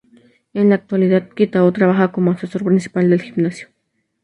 En la actualidad, Kitao trabaja como asesor principal del gimnasio.